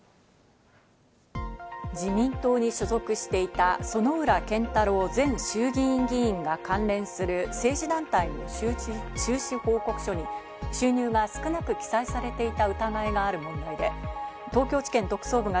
自民党に所属していた薗浦健太郎前衆議院議員が関連する政治団体の収支報告書に収入が少なく記載されていた疑いがある問題で、東京地検特捜部が